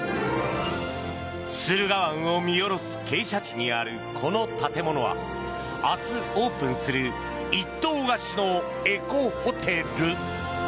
駿河湾を見下ろす傾斜地にあるこの建物は明日オープンする１棟貸しのエコホテル。